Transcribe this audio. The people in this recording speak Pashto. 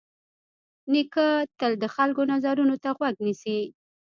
نیکه تل د خلکو د نظرونو ته غوږ نیسي.